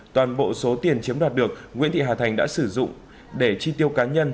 toàn bộ số tiền chiếm đoạt được nguyễn thị hà thành đã sử dụng để chi tiêu cá nhân